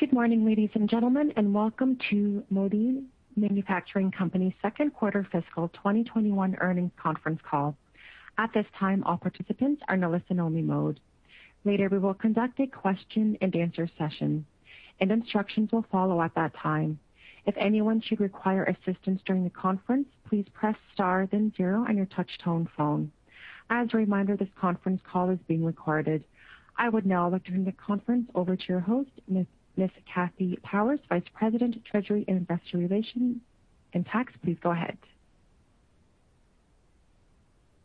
Good morning, ladies and gentlemen, and welcome to Modine Manufacturing Company second quarter fiscal 2021 earnings conference call. At this time, all participants are in listen only mode. Later, we will conduct a question and answer session, and instructions will follow at that time. If anyone should require assistance during the conference, please press star then zero on your touch tone phone. As a reminder, this conference call is being recorded. I would now like to turn the conference over to your host, Ms. Kathy Powers, Vice President, Treasurer, Investor Relations and Tax. Please go ahead.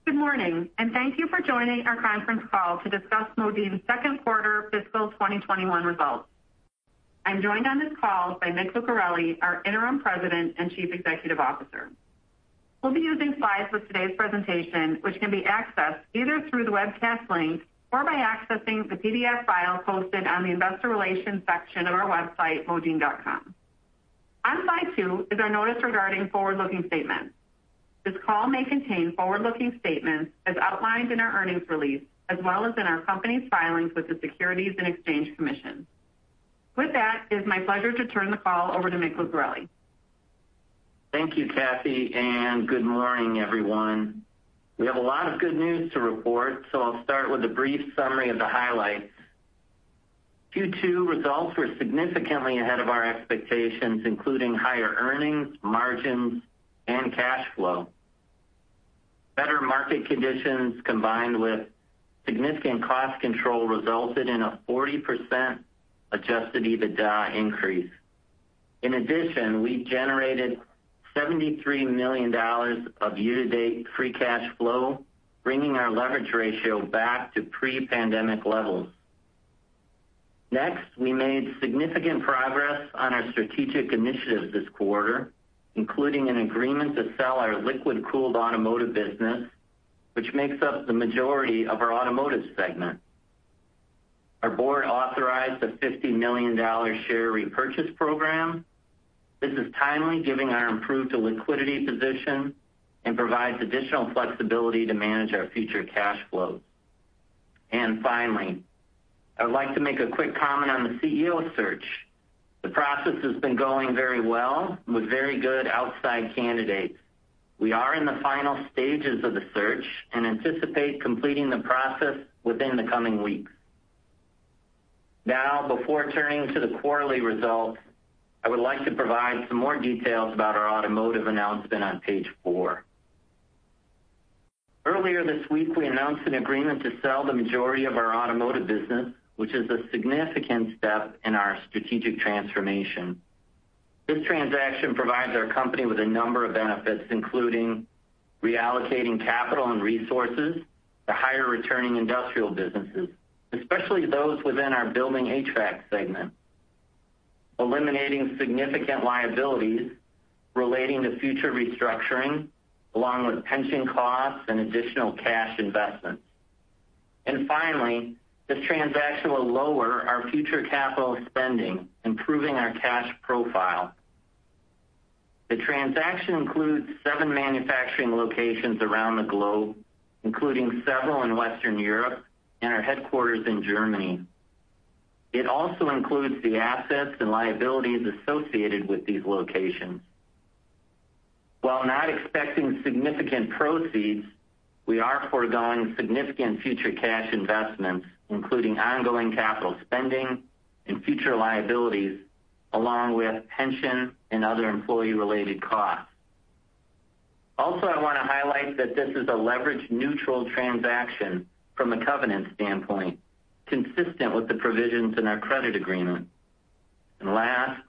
Good morning, thank you for joining our conference call to discuss Modine's second quarter fiscal 2021 results. I'm joined on this call by Mike Lucareli, our Interim President and Chief Executive Officer. We'll be using slides for today's presentation, which can be accessed either through the webcast link or by accessing the PDF file posted on the Investor Relations section of our website, modine.com. On slide two is our notice regarding forward-looking statements. This call may contain forward-looking statements as outlined in our earnings release, as well as in our company's filings with the Securities and Exchange Commission. With that, it's my pleasure to turn the call over to Mike Lucareli. Thank you, Cathy, and good morning, everyone. We have a lot of good news to report, so I'll start with a brief summary of the highlights. Q2 results were significantly ahead of our expectations, including higher earnings, margins, and cash flow. Better market conditions, combined with significant cost control, resulted in a 40% adjusted EBITDA increase. In addition, we generated $73 million of year-to-date free cash flow, bringing our leverage ratio back to pre-pandemic levels. Next, we made significant progress on our strategic initiatives this quarter, including an agreement to sell our liquid-cooled automotive business, which makes up the majority of our automotive segment. Our board authorized a $50 million share repurchase program. This is timely, giving our improved liquidity position and provides additional flexibility to manage our future cash flows. Finally, I would like to make a quick comment on the CEO search. The process has been going very well with very good outside candidates. We are in the final stages of the search and anticipate completing the process within the coming weeks. Before turning to the quarterly results, I would like to provide some more details about our automotive announcement on page four. Earlier this week, we announced an agreement to sell the majority of our automotive business, which is a significant step in our strategic transformation. This transaction provides our company with a number of benefits, including reallocating capital and resources to higher returning industrial businesses, especially those within our building HVAC segment. Eliminating significant liabilities relating to future restructuring, along with pension costs and additional cash investments. Finally, this transaction will lower our future capital spending, improving our cash profile. The transaction includes seven manufacturing locations around the globe, including several in Western Europe and our headquarters in Germany. It also includes the assets and liabilities associated with these locations. While not expecting significant proceeds, we are foregoing significant future cash investments, including ongoing capital spending and future liabilities, along with pension and other employee-related costs. Also, I want to highlight that this is a leverage-neutral transaction from a covenant standpoint, consistent with the provisions in our credit agreement. Last,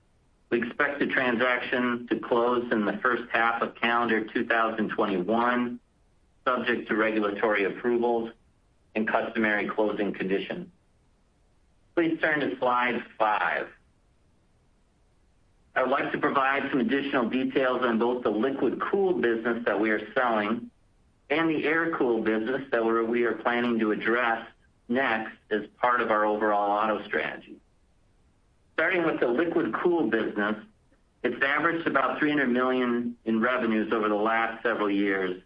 we expect the transaction to close in the first half of calendar 2021, subject to regulatory approvals and customary closing conditions. Please turn to slide five. I would like to provide some additional details on both the liquid-cooled business that we are selling and the air-cooled business that we are planning to address next as part of our overall auto strategy. Starting with the liquid-cooled business, it's averaged about $300 million in revenues over the last several years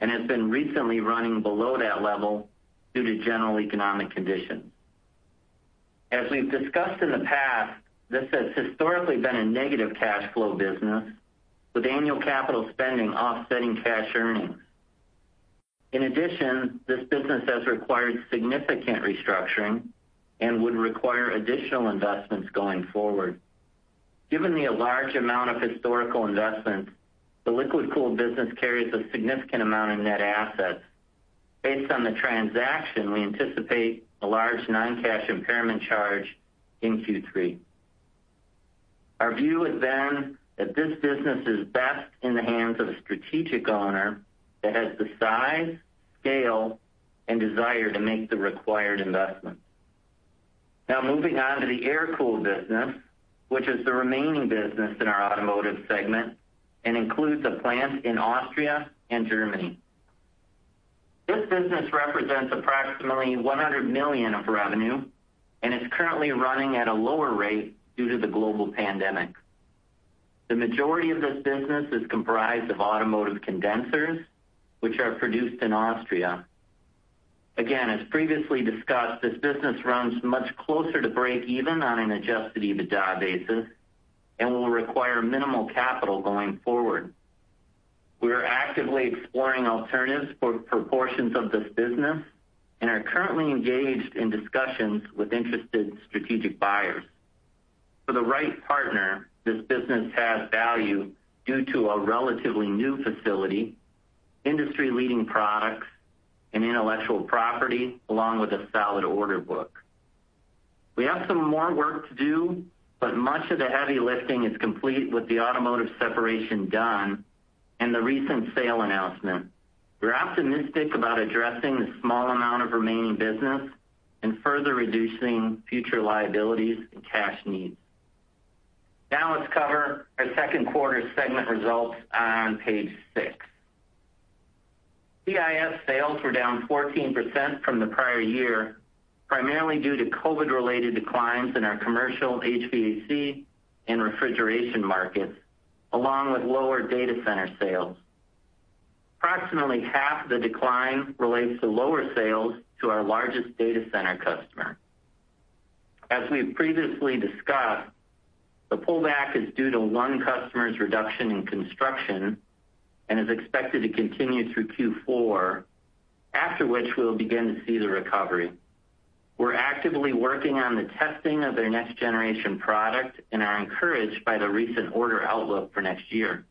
and has been recently running below that level due to general economic conditions. As we've discussed in the past, this has historically been a negative cash flow business with annual capital spending offsetting cash earnings. In addition, this business has required significant restructuring and would require additional investments going forward. Given the large amount of historical investments, the liquid-cooled business carries a significant amount of net assets. Based on the transaction, we anticipate a large non-cash impairment charge in Q3. Our view is that this business is best in the hands of a strategic owner that has the size, scale, and desire to make the required investments. Now, moving on to the air-cooled business, which is the remaining business in our automotive segment and includes a plant in Austria and Germany. This business represents approximately $100 million of revenue and is currently running at a lower rate due to the global pandemic. The majority of this business is comprised of automotive condensers, which are produced in Austria. Again, as previously discussed, this business runs much closer to break even on an adjusted EBITDA basis and will require minimal capital going forward. We are actively exploring alternatives for proportions of this business and are currently engaged in discussions with interested strategic buyers. For the right partner, this business has value due to a relatively new facility, industry-leading products, and intellectual property, along with a solid order book. We have some more work to do, but much of the heavy lifting is complete with the automotive separation done and the recent sale announcement. We're optimistic about addressing the small amount of remaining business and further reducing future liabilities and cash needs. Now let's cover our second quarter segment results on page six. CIS sales were down 14% from the prior year, primarily due to COVID-related declines in our commercial HVAC and refrigeration markets, along with lower data center sales. Approximately half the decline relates to lower sales to our largest data center customer. As we've previously discussed, the pullback is due to one customer's reduction in construction and is expected to continue through Q4, after which we'll begin to see the recovery. We're actively working on the testing of their next generation product and are encouraged by the recent order outlook for next year.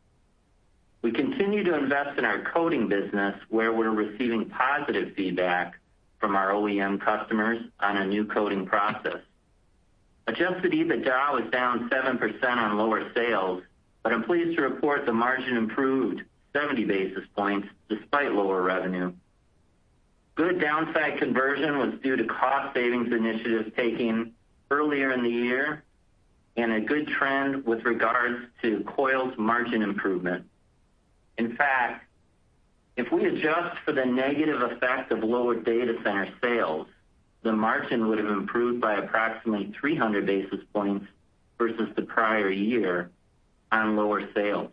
We continue to invest in our coils business where we're receiving positive feedback from our OEM customers on a new coils process. Adjusted EBITDA was down 7% on lower sales, I'm pleased to report the margin improved 70 basis points despite lower revenue. Good downside conversion was due to cost savings initiatives taken earlier in the year and a good trend with regards to coils margin improvement. In fact, if we adjust for the negative effect of lower data center sales, the margin would have improved by approximately 300 basis points versus the prior year on lower sales.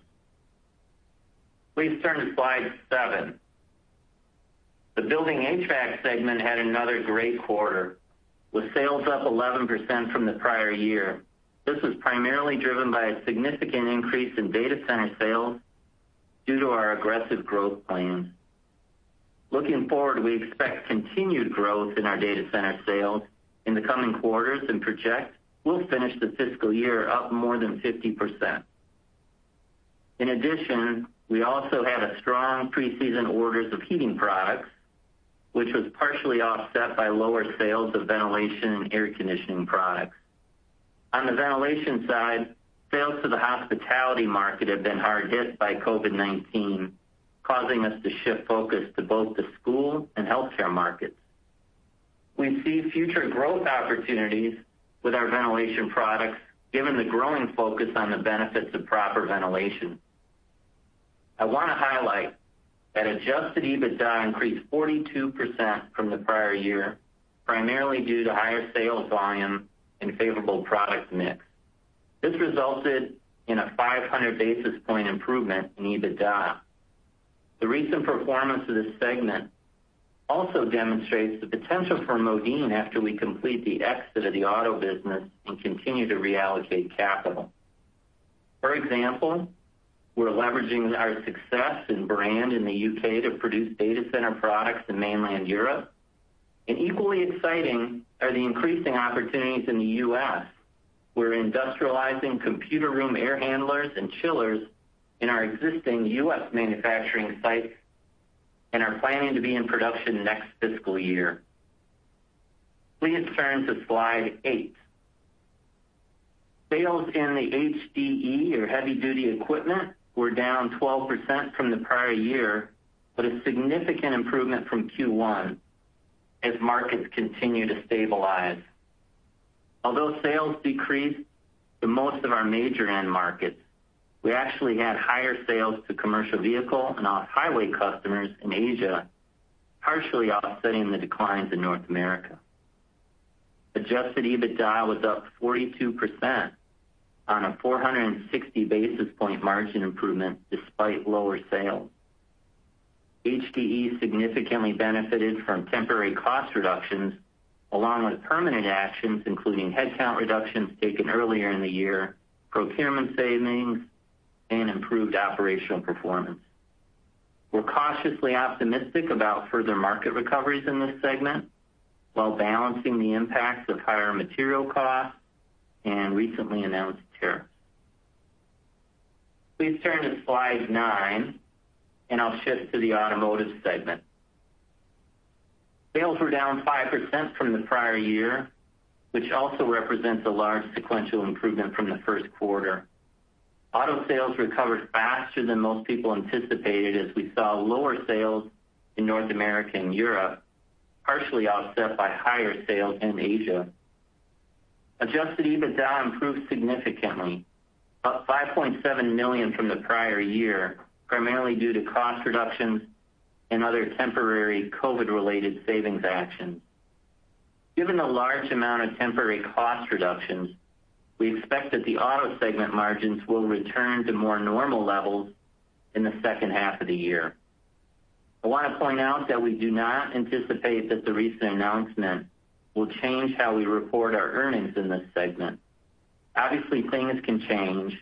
Please turn to slide seven. The building HVAC segment had another great quarter, with sales up 11% from the prior year. This was primarily driven by a significant increase in data center sales due to our aggressive growth plans. Looking forward, we expect continued growth in our data center sales in the coming quarters and project we'll finish the fiscal year up more than 50%. In addition, we also had a strong pre-season orders of heating products, which was partially offset by lower sales of ventilation and air conditioning products. On the ventilation side, sales to the hospitality market have been hard hit by COVID-19, causing us to shift focus to both the school and healthcare markets. We see future growth opportunities with our ventilation products, given the growing focus on the benefits of proper ventilation. I want to highlight that adjusted EBITDA increased 42% from the prior year, primarily due to higher sales volume and favorable product mix. This resulted in a 500 basis point improvement in EBITDA. The recent performance of this segment also demonstrates the potential for Modine after we complete the exit of the auto business and continue to reallocate capital. For example, we're leveraging our success and brand in the U.K. to produce data center products in mainland Europe, and equally exciting are the increasing opportunities in the U.S. We're industrializing computer room air handlers and chillers in our existing U.S. manufacturing sites and are planning to be in production next fiscal year. Please turn to slide eight. Sales in the HDE or heavy-duty equipment were down 12% from the prior year, but a significant improvement from Q1 as markets continue to stabilize. Although sales decreased to most of our major end markets, we actually had higher sales to commercial vehicle and off-highway customers in Asia, partially offsetting the declines in North America. Adjusted EBITDA was up 42% on a 460 basis point margin improvement despite lower sales. HDE significantly benefited from temporary cost reductions, along with permanent actions, including headcount reductions taken earlier in the year, procurement savings, and improved operational performance. We're cautiously optimistic about further market recoveries in this segment while balancing the impacts of higher material costs and recently announced tariffs. Please turn to slide nine, and I'll shift to the automotive segment. Sales were down 5% from the prior year, which also represents a large sequential improvement from the first quarter. Auto sales recovered faster than most people anticipated as we saw lower sales in North America and Europe, partially offset by higher sales in Asia. Adjusted EBITDA improved significantly, up $5.7 million from the prior year, primarily due to cost reductions and other temporary COVID-related savings actions. Given the large amount of temporary cost reductions, we expect that the auto segment margins will return to more normal levels in the second half of the year. I want to point out that we do not anticipate that the recent announcement will change how we report our earnings in this segment. Obviously, things can change,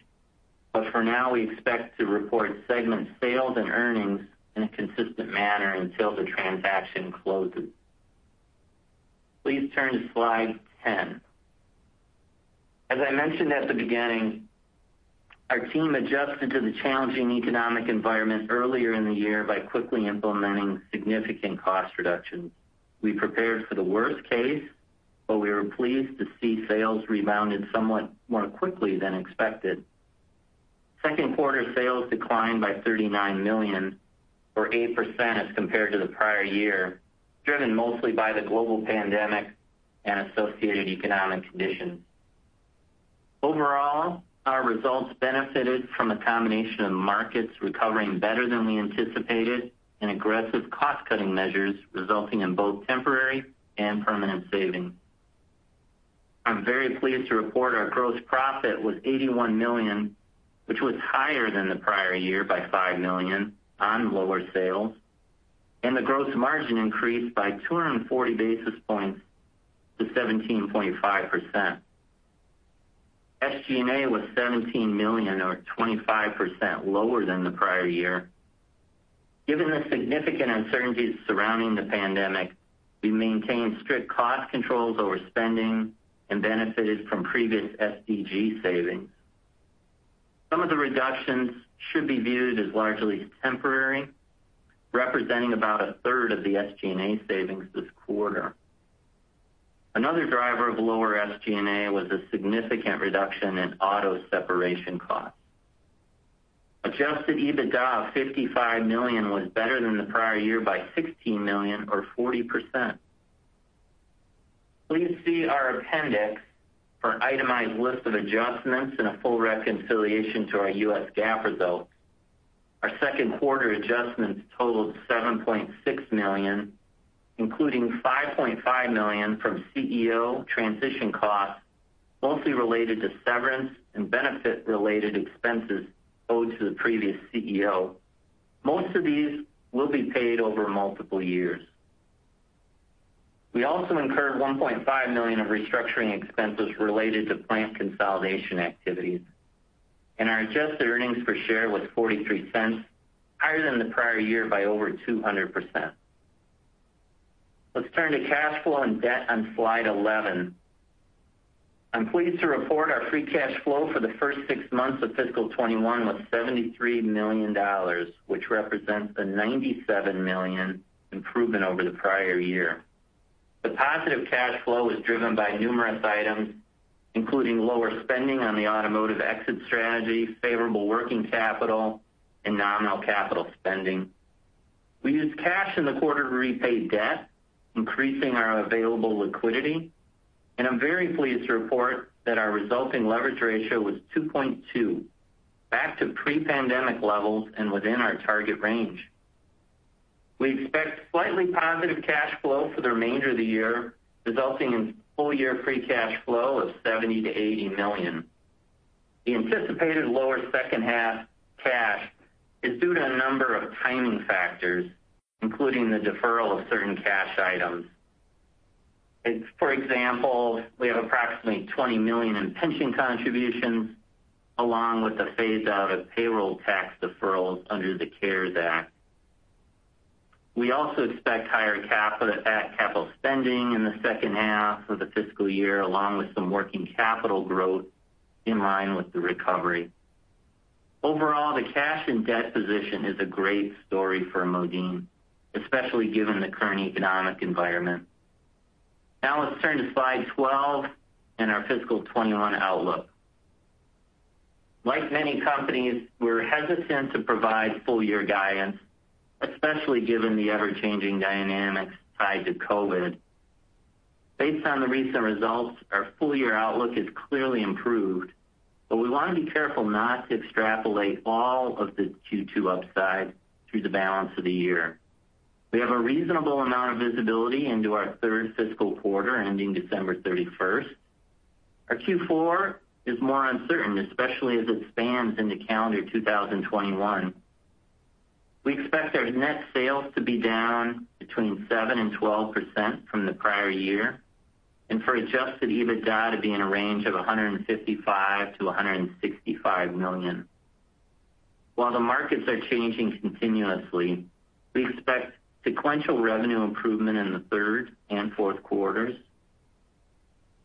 but for now, we expect to report segment sales and earnings in a consistent manner until the transaction closes. Please turn to slide 10. As I mentioned at the beginning, our team adjusted to the challenging economic environment earlier in the year by quickly implementing significant cost reductions. We prepared for the worst case, but we were pleased to see sales rebounded somewhat more quickly than expected. Second quarter sales declined by $39 million or 8% as compared to the prior year, driven mostly by the global pandemic and associated economic conditions. Overall, our results benefited from a combination of markets recovering better than we anticipated and aggressive cost-cutting measures resulting in both temporary and permanent savings. I'm very pleased to report our gross profit was $81 million, which was higher than the prior year by $5 million on lower sales. The gross margin increased by 240 basis points to 17.5%. SG&A was $17 million or 25% lower than the prior year. Given the significant uncertainties surrounding the pandemic, we maintained strict cost controls over spending and benefited from previous SG&A savings. Some of the reductions should be viewed as largely temporary, representing about a third of the SG&A savings this quarter. Another driver of lower SG&A was a significant reduction in auto separation costs. Adjusted EBITDA of $55 million was better than the prior year by $16 million or 40%. Please see our appendix for itemized list of adjustments and a full reconciliation to our US GAAP results. Our second quarter adjustments totaled $7.6 million, including $5.5 million from CEO transition costs, mostly related to severance and benefit-related expenses owed to the previous CEO. Most of these will be paid over multiple years. We also incurred $1.5 million of restructuring expenses related to plant consolidation activities, and our adjusted earnings per share was $0.43, higher than the prior year by over 200%. Let's turn to cash flow and debt on slide 11. I'm pleased to report our free cash flow for the first six months of fiscal 2021 was $73 million, which represents a $97 million improvement over the prior year. The positive cash flow was driven by numerous items, including lower spending on the automotive exit strategy, favorable working capital, and nominal capital spending. We used cash in the quarter to repay debt, increasing our available liquidity, and I'm very pleased to report that our resulting leverage ratio was 2.2, back to pre-pandemic levels and within our target range. We expect slightly positive cash flow for the remainder of the year, resulting in full year free cash flow of $70 million-$80 million. The anticipated lower second half cash is due to a number of timing factors, including the deferral of certain cash items. For example, we have approximately $20 million in pension contributions, along with the phase out of payroll tax deferrals under the CARES Act. We also expect higher capital spending in the second half of the fiscal year, along with some working capital growth in line with the recovery. Overall, the cash and debt position is a great story for Modine, especially given the current economic environment. Let's turn to slide 12 and our fiscal 2021 outlook. Like many companies, we're hesitant to provide full year guidance, especially given the ever-changing dynamics tied to COVID. Based on the recent results, our full year outlook has clearly improved, but we want to be careful not to extrapolate all of the Q2 upside through the balance of the year. We have a reasonable amount of visibility into our third fiscal quarter ending December 31st. Our Q4 is more uncertain, especially as it spans into calendar 2021. We expect our net sales to be down between 7% and 12% from the prior year, and for adjusted EBITDA to be in a range of $155 million-$165 million. While the markets are changing continuously, we expect sequential revenue improvement in the third and fourth quarters.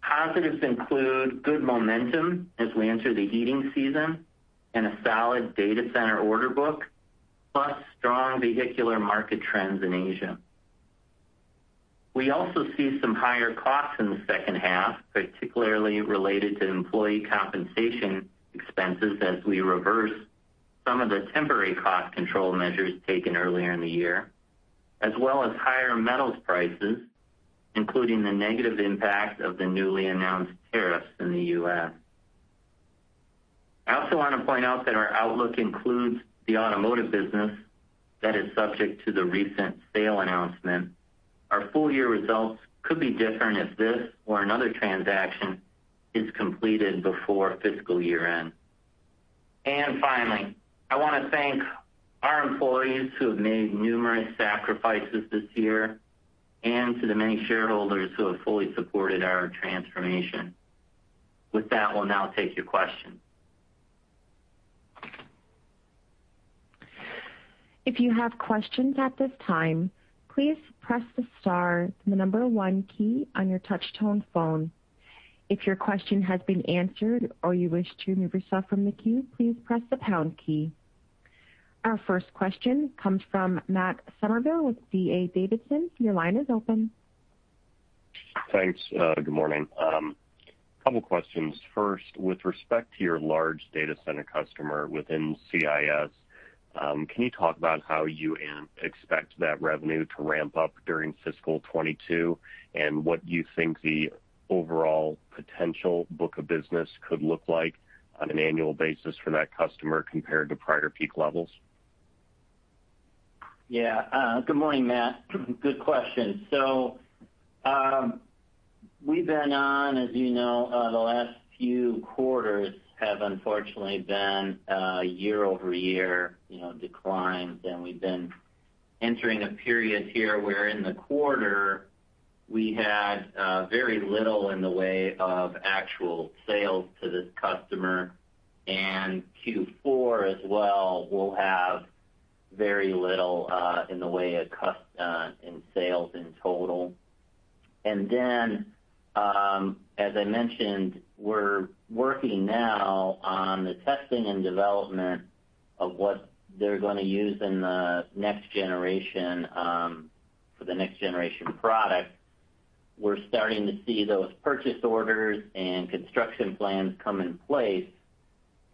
Positives include good momentum as we enter the heating season and a solid data center order book, plus strong vehicular market trends in Asia. We also see some higher costs in the second half, particularly related to employee compensation expenses as we reverse some of the temporary cost control measures taken earlier in the year, as well as higher metals prices, including the negative impact of the newly announced tariffs in the U.S. I also want to point out that our outlook includes the automotive business that is subject to the recent sale announcement. Our full-year results could be different if this or another transaction is completed before fiscal year-end. Finally, I want to thank our employees who have made numerous sacrifices this year, and to the many shareholders who have fully supported our transformation. With that, we'll now take your questions. If you have questions at this time, please press the star and the number one key on your touch-tone phone. If your question has been answered or you wish to remove yourself from the queue, please press the pound key. Our first question comes from Matt Summerville with D.A. Davidson. Your line is open. Thanks. Good morning. A couple of questions. First, with respect to your large data center customer within CIS, can you talk about how you expect that revenue to ramp up during fiscal 2022, and what you think the overall potential book of business could look like on an annual basis for that customer compared to prior peak levels? Yeah. Good morning, Matt. Good question. We've been on, as you know, the last few quarters have unfortunately been year-over-year declines. We've been entering a period here where in the quarter we had very little in the way of actual sales to this customer. Q4 as well will have very little in the way of sales in total. As I mentioned, we're working now on the testing and development of what they're going to use for the next generation product. We're starting to see those purchase orders and construction plans come in place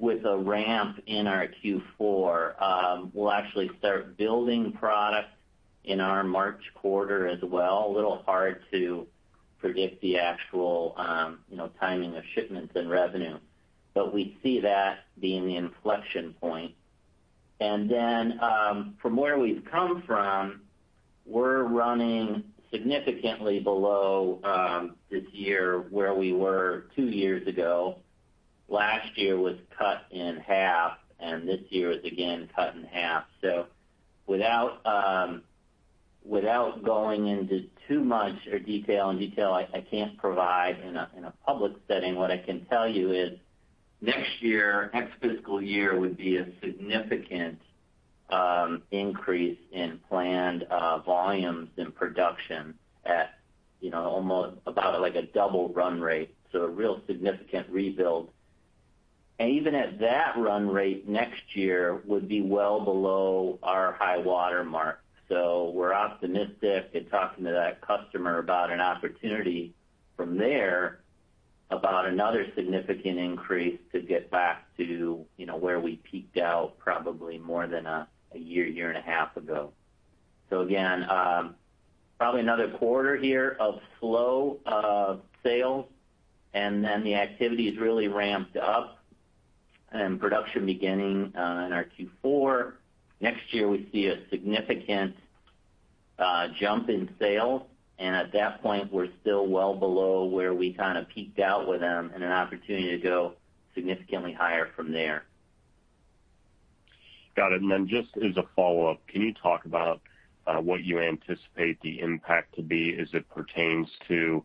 with a ramp in our Q4. We'll actually start building product in our March quarter as well. A little hard to predict the actual timing of shipments and revenue. We see that being the inflection point. From where we've come from, we're running significantly below this year where we were two years ago. Last year was cut in half, and this year is again cut in half. Without going into too much detail and detail I can't provide in a public setting, what I can tell you is next fiscal year would be a significant increase in planned volumes in production at about a double run rate. A real significant rebuild. Even at that run rate, next year would be well below our high water mark. We're optimistic in talking to that customer about an opportunity from there about another significant increase to get back to where we peaked out probably more than a year and a half ago. Again, probably another quarter here of slow sales, and then the activity's really ramped up and production beginning in our Q4. Next year, we see a significant jump in sales, and at that point, we're still well below where we kind of peaked out with them, and an opportunity to go significantly higher from there. Got it. Just as a follow-up, can you talk about what you anticipate the impact to be as it pertains to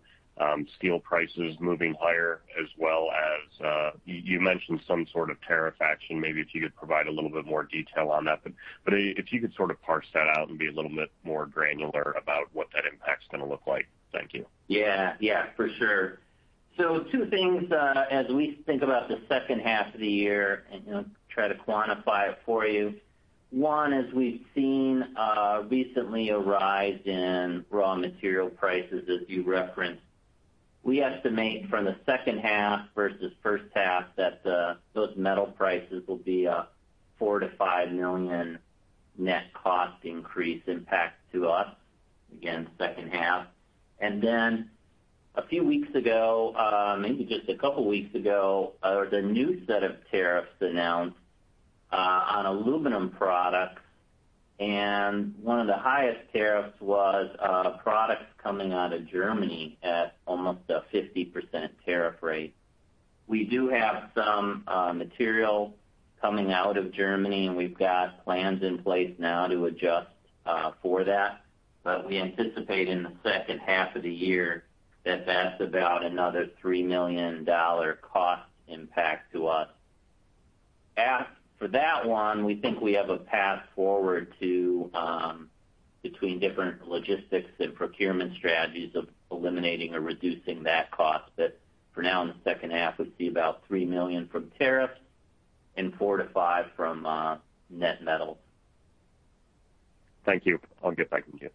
steel prices moving higher as well as, you mentioned some sort of tariff action. Maybe if you could provide a little bit more detail on that. If you could sort of parse that out and be a little bit more granular about what that impact's going to look like. Thank you. Yeah, for sure. Two things as we think about the second half of the year, and try to quantify it for you. One is we've seen recently a rise in raw material prices, as you referenced. We estimate from the second half versus first half that those metal prices will be a $4 million-$5 million net cost increase impact to us. Again, second half. A few weeks ago, maybe just a couple weeks ago, there was a new set of tariffs announced on aluminum products, and one of the highest tariffs was products coming out of Germany at almost a 50% tariff rate. We do have some material coming out of Germany, and we've got plans in place now to adjust for that. We anticipate in the second half of the year that that's about another $3 million cost impact to us. For that one, we think we have a path forward between different logistics and procurement strategies of eliminating or reducing that cost. For now, in the second half, we see about $3 million from tariffs and $4 million-$5 million from net metal. Thank you. I'll get back in queue.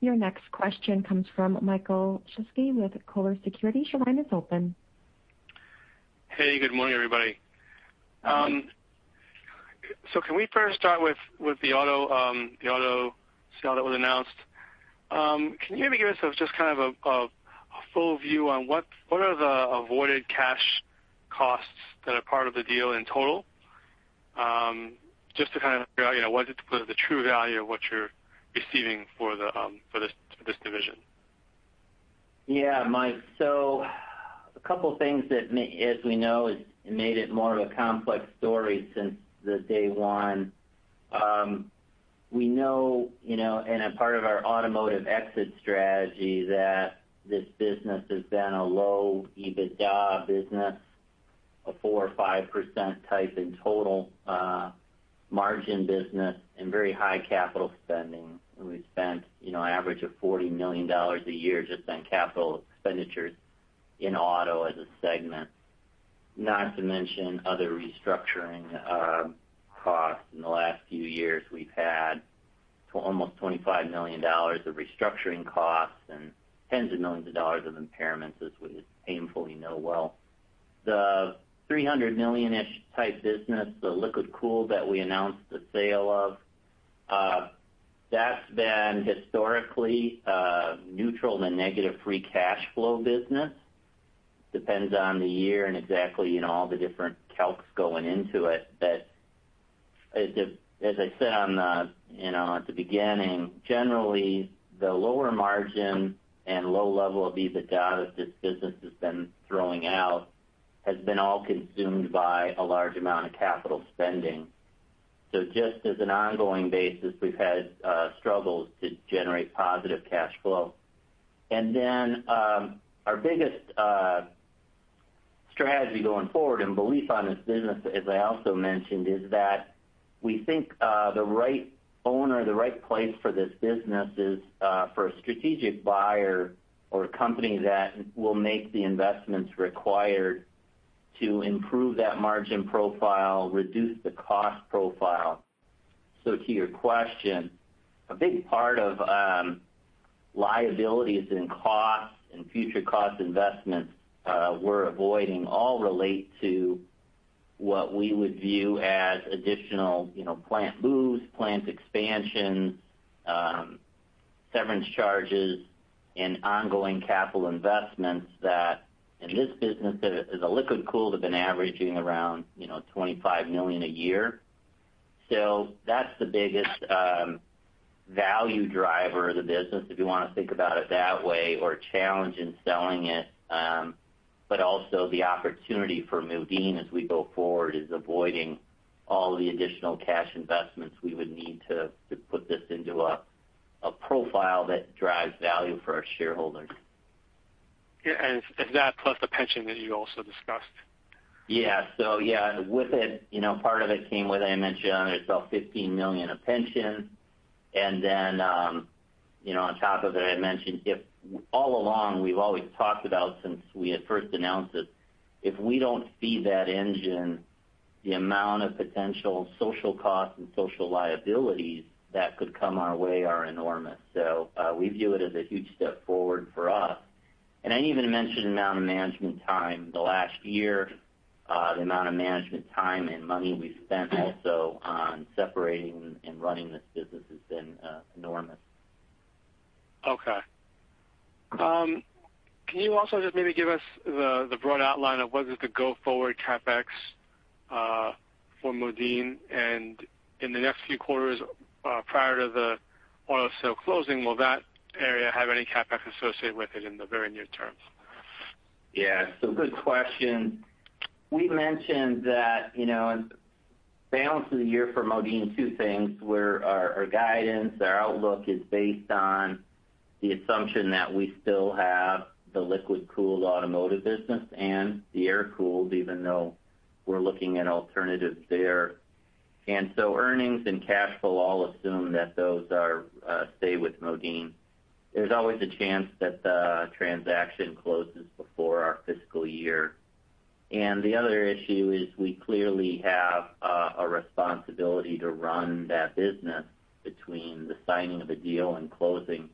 Your next question comes from Michael Shlisky with Colliers Securities. Your line is open. Hey, good morning, everybody. Good morning. Can we first start with the auto sale that was announced? Can you maybe give us just a full view on what are the avoided cash costs that are part of the deal in total? Just to kind of figure out what is the true value of what you're receiving for this division. Yeah, Mike. A couple things that, as we know, has made it more of a complex story since the day one. We know, in a part of our automotive exit strategy, that this business has been a low EBITDA business, a 4% or 5% type in total margin business, and very high capital spending. We've spent an average of $40 million a year just on capital expenditures in auto as a segment. Not to mention other restructuring costs. In the last few years, we've had almost $25 million of restructuring costs and tens of millions of dollars of impairments, as we painfully know well. The $300 million-ish type business, the liquid cooled that we announced the sale of, that's been historically a neutral to negative free cash flow business. Depends on the year and exactly all the different calcs going into it. As I said at the beginning, generally, the lower margin and low level of EBITDA that this business has been throwing out has been all consumed by a large amount of capital spending. Just as an ongoing basis, we've had struggles to generate positive cash flow. Our biggest strategy going forward and belief on this business, as I also mentioned, is that we think the right owner, the right place for this business is for a strategic buyer or a company that will make the investments required to improve that margin profile, reduce the cost profile. To your question, a big part of liabilities and costs and future cost investments we're avoiding all relate to what we would view as additional plant moves, plant expansions, severance charges, and ongoing capital investments that in this business that as a liquid cooled have been averaging around $25 million a year. That's the biggest value driver of the business, if you want to think about it that way, or challenge in selling it. Also the opportunity for Modine as we go forward is avoiding all the additional cash investments we would need to put this into a profile that drives value for our shareholders. Yeah. Is that plus the pension that you also discussed? Yeah, with it, part of it came with, I mentioned, there's about $15 million of pension. Then on top of it, I mentioned all along, we've always talked about since we had first announced it, if we don't feed that engine, the amount of potential social costs and social liabilities that could come our way are enormous. We view it as a huge step forward for us. I didn't even mention the amount of management time. The last year, the amount of management time and money we've spent also on separating and running this business has been enormous. Okay. Can you also just maybe give us the broad outline of what is the go forward CapEx for Modine? In the next few quarters prior to the auto sale closing, will that area have any CapEx associated with it in the very near term? Yeah. Good question. We mentioned that in the balance of the year for Modine, two things where our guidance, our outlook is based on the assumption that we still have the liquid cooled automotive business and the air cooled, even though we're looking at alternatives there. And so earnings and cash flow all assume that those stay with Modine. There's always a chance that the transaction closes before our fiscal year. And the other issue is we clearly have a responsibility to run that business between the signing of the deal and closing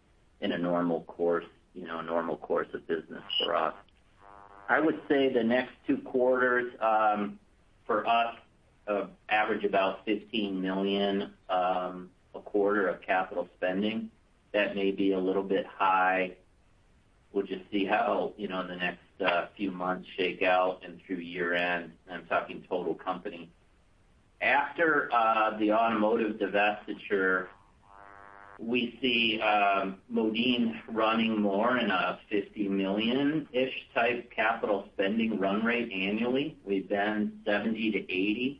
in a normal course of business for us. I would say the next two quarters, for us, average about $15 million a quarter of capital spending. That may be a little bit high. We'll just see how the next few months shake out and through year end. And I'm talking total company. After the automotive divestiture, we see Modine running more in a $50 million-ish type capital spending run rate annually. We've been $70-$80.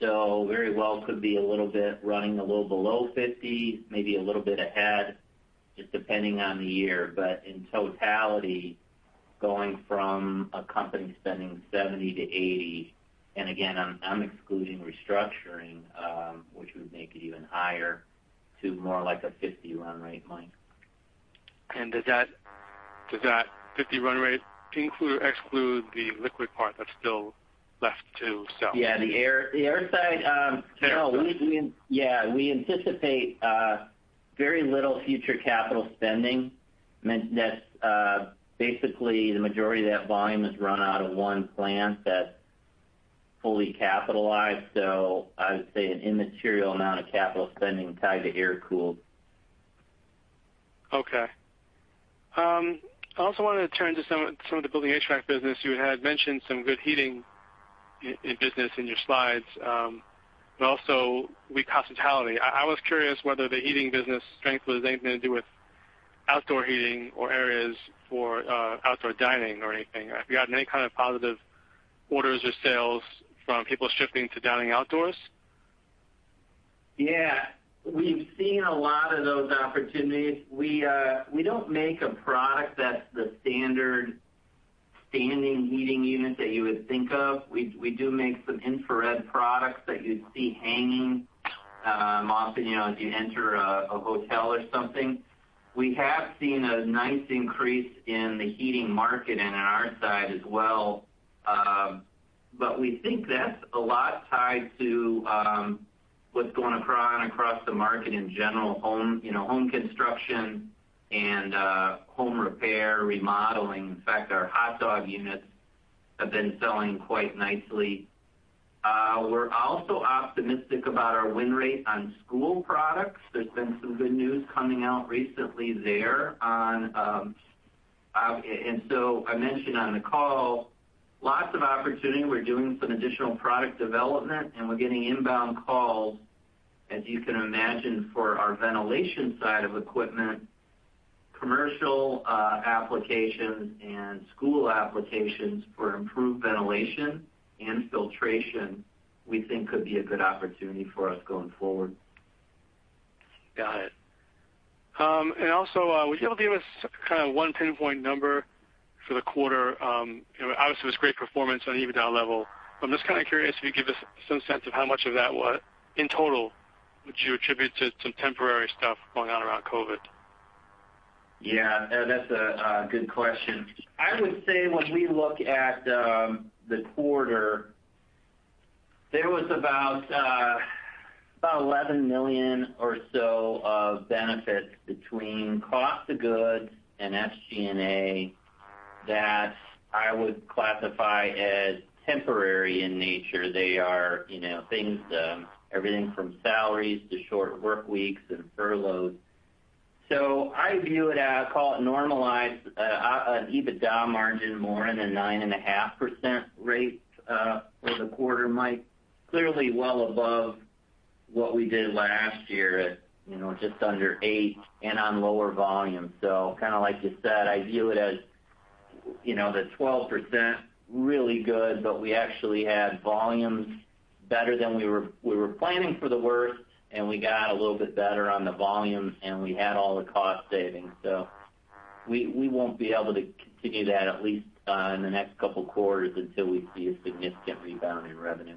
Very well could be a little bit running a little below $50, maybe a little bit ahead, just depending on the year. But in totality, going from a company spending $70-$80, and again, I'm excluding restructuring, which would make it even higher, to more like a $50 run rate, Mike. Does that 50 run rate include or exclude the liquid part that's still left to sell? Yeah, the air side. Air side. Yeah. We anticipate very little future capital spending. That's basically the majority of that volume is run out of one plant that's fully capitalized. I would say an immaterial amount of capital spending tied to air-cooled. Okay. I also wanted to turn to some of the building HVAC business. You had mentioned some good heating in business in your slides, but also with hospitality. I was curious whether the heating business strength was anything to do with outdoor heating or areas for outdoor dining or anything. Have you had any kind of positive orders or sales from people shifting to dining outdoors? Yeah. We've seen a lot of those opportunities. We don't make a product that's the standard standing heating unit that you would think of. We do make some infrared products that you'd see hanging, often as you enter a hotel or something. We have seen a nice increase in the heating market and on our side as well. We think that's a lot tied to what's going on across the market in general, home construction and home repair, remodeling. In fact, our Hot Dawg units have been selling quite nicely. We're also optimistic about our win rate on school products. There's been some good news coming out recently there. I mentioned on the call, lots of opportunity. We're doing some additional product development, and we're getting inbound calls, as you can imagine, for our ventilation side of equipment. Commercial applications and school applications for improved ventilation and filtration we think could be a good opportunity for us going forward. Got it. Also, would you be able to give us one pinpoint number for the quarter? Obviously, it was great performance on EBITDA level, but I'm just kind of curious if you'd give us some sense of how much of that was, in total, would you attribute to some temporary stuff going on around COVID? Yeah. No, that's a good question. I would say when we look at the quarter, there was about $11 million or so of benefits between cost of goods and SG&A that I would classify as temporary in nature. They are things, everything from salaries to short work weeks and furloughs. I view it as, call it normalized, an EBITDA margin more in the 9.5% rate for the quarter, Mike. Clearly well above what we did last year at just under 8% and on lower volume. Like you said, I view it as the 12% really good, but we actually had volumes better than we were planning for the worst, and we got a little bit better on the volume, and we had all the cost savings. We won't be able to continue that at least in the next couple quarters until we see a significant rebound in revenue.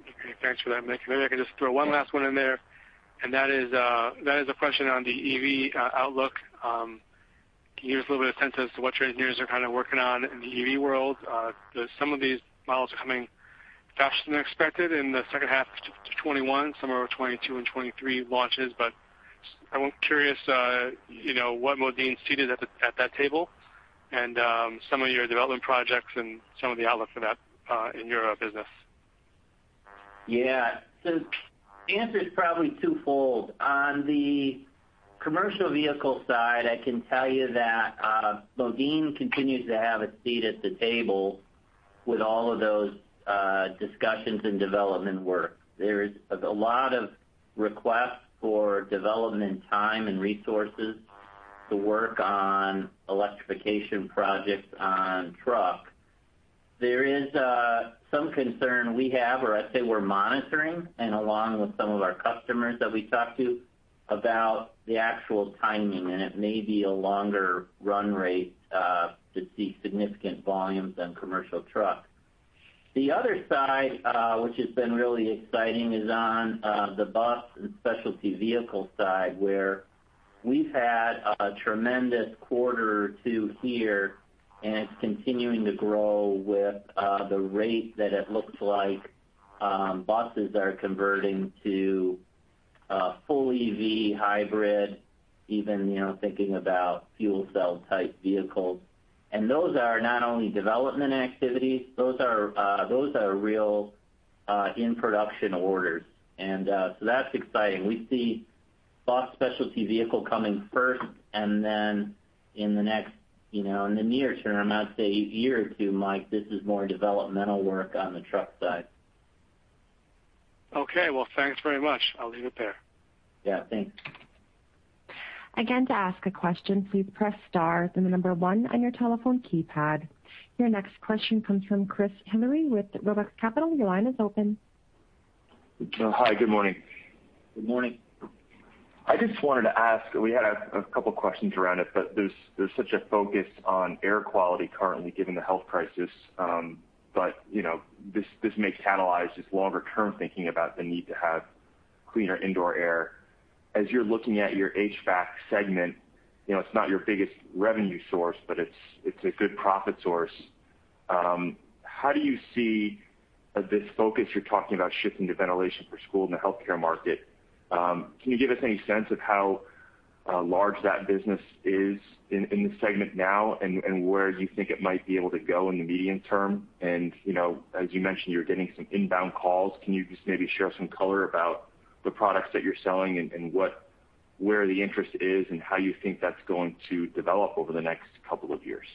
Okay. Thanks for that, Mike. Maybe I can just throw one last one in there, and that is a question on the EV outlook. Can you give us a little bit of sense as to what your engineers are kind of working on in the EV world? Some of these models are coming faster than expected in the second half of 2021, some are 2022 and 2023 launches. I'm curious what Modine's seat is at that table and some of your development projects and some of the outlook for that in your business. Yeah. The answer's probably twofold. On the commercial vehicle side, I can tell you that Modine continues to have a seat at the table with all of those discussions and development work. There's a lot of requests for development time and resources to work on electrification projects on truck. There is some concern we have, or I'd say we're monitoring and along with some of our customers that we talk to about the actual timing, and it may be a longer run rate to see significant volumes on commercial trucks. The other side, which has been really exciting, is on the bus and specialty vehicle side, where we've had a tremendous quarter two here, and it's continuing to grow with the rate that it looks like buses are converting to full EV hybrid, even thinking about fuel cell type vehicles. Those are not only development activities, those are real in-production orders. That's exciting. We see bus specialty vehicle coming first, and then in the near term, I'd say a year or two, Mike, this is more developmental work on the truck side. Okay. Well, thanks very much. I'll leave it there. Yeah. Thanks. Again, to ask a question, please press star, then the number one on your telephone keypad. Your next question comes from Chris Henry with Roth Capital. Your line is open. Hi. Good morning. Good morning. I just wanted to ask, we had a couple questions around it, there's such a focus on air quality currently given the health crisis. This may catalyze this longer-term thinking about the need to have cleaner indoor air. As you're looking at your HVAC segment, it's not your biggest revenue source, but it's a good profit source. How do you see this focus you're talking about shifting to ventilation for school and the healthcare market? Can you give us any sense of how large that business is in this segment now, and where you think it might be able to go in the medium term? As you mentioned, you're getting some inbound calls. Can you just maybe share some color about the products that you're selling and where the interest is, and how you think that's going to develop over the next couple of years?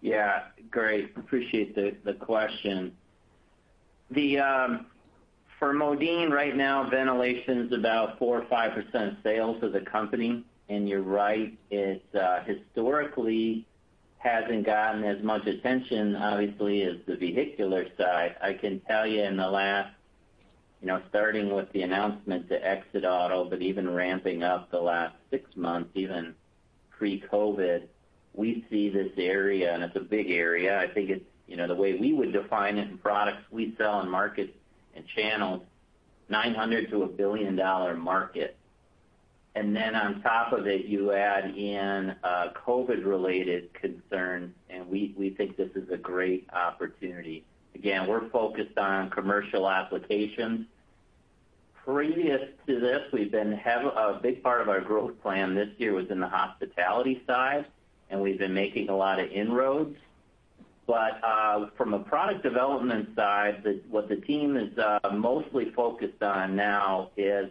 Yeah. Great. Appreciate the question. For Modine right now, ventilation's about 4% or 5% sales of the company. You're right, it historically hasn't gotten as much attention, obviously, as the vehicular side. I can tell you, starting with the announcement to exit auto, but even ramping up the last six months, even pre-COVID, we see this area, and it's a big area. The way we would define it in products we sell in market and channels, $900 to $1 billion market. On top of it, you add in COVID-related concern, and we think this is a great opportunity. Again, we're focused on commercial applications. Previous to this, a big part of our growth plan this year was in the hospitality side, and we've been making a lot of inroads. From a product development side, what the team is mostly focused on now is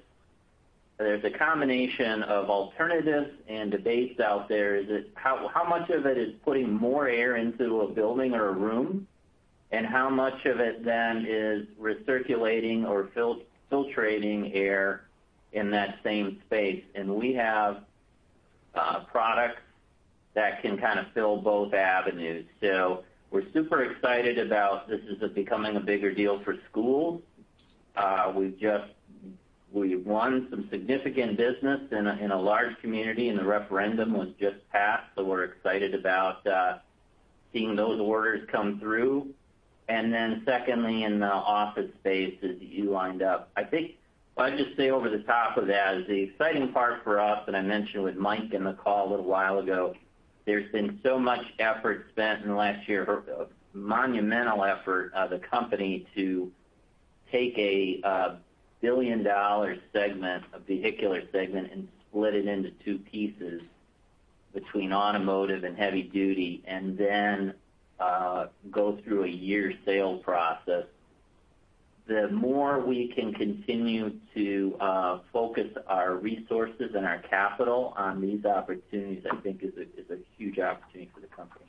there's a combination of alternatives and debates out there. How much of it is putting more air into a building or a room, and how much of it then is recirculating or filtrating air in that same space? We have products that can kind of fill both avenues. We're super excited about this becoming a bigger deal for schools. We won some significant business in a large community, and the referendum was just passed. We're excited about seeing those orders come through. Secondly, in the office spaces you lined up. I think I'll just say over the top of that is the exciting part for us, and I mentioned with Mike in the call a little while ago, there's been so much effort spent in the last year, a monumental effort of the company to take a billion-dollar segment, a vehicular segment, and split it into two pieces between automotive and heavy duty, and then go through a year sale process. The more we can continue to focus our resources and our capital on these opportunities, I think is a huge opportunity for the company.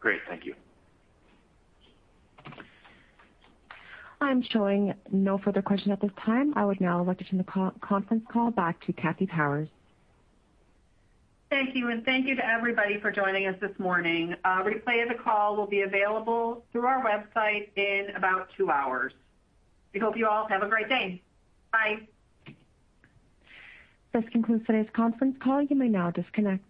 Great. Thank you. I'm showing no further question at this time. I would now like to turn the conference call back to Kathy Powers. Thank you to everybody for joining us this morning. A replay of the call will be available through our website in about two hours. We hope you all have a great day. Bye. This concludes today's conference call. You may now disconnect.